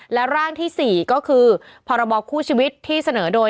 และร่างที่๔ก็คือพรบคู่ชีวิตที่เสนอโดย